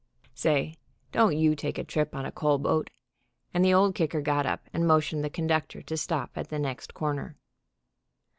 Say. don't you take a trip on a coal boat," and the Old Kicker got up and motioned the conductor to stop at the next corner.